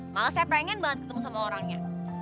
maksudnya pengen banget ketemu sama orangnya